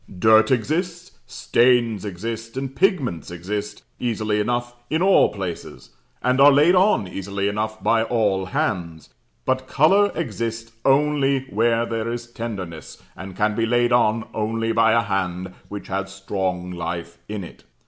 Dirt exists, stains exist, and pigments exist, easily enough in all places; and are laid on easily enough by all hands; but colour exists only where there is tenderness, and can be laid on only by a hand which has strong life in it.